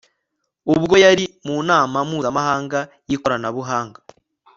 ubwo yari mu nama mpuzamahanga y'ikoranabuhanga